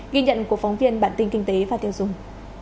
ghi nhận của phóng viên bản tin kinh tế và tiêu dùng